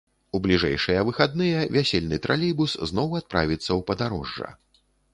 У бліжэйшыя выхадныя вясельны тралейбус зноў адправіцца ў падарожжа.